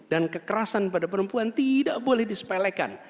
dan kekerasan pada perempuan tidak boleh dispelekan